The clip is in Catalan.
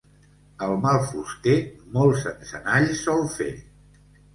El mal fuster molts encenalls sol fer.